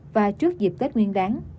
và trước dịp tết nguyên đáng